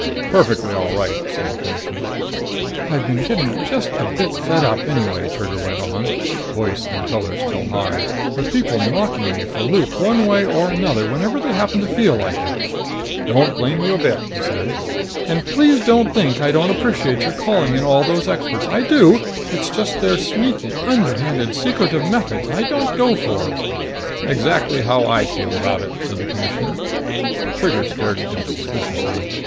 "Perfectly all right," said the Commissioner. "I've been getting just a bit fed up anyway," Trigger went on, voice and color still high, "with people knocking me for a loop one way or another whenever they happen to feel like it!" "Don't blame you a bit," he said. "And please don't think I don't appreciate your calling in all those experts. I do. It's just their sneaky, underhanded, secretive methods I don't go for!" "Exactly how I feel about it," said the Commissioner. Trigger stared at him suspiciously.